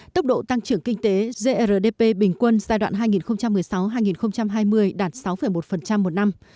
tốc độ tăng trưởng kinh tế grdp bình quân giai đoạn hai nghìn một mươi sáu hai nghìn hai mươi đạt sáu một một năm